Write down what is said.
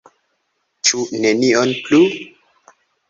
Ĉu nenion plu?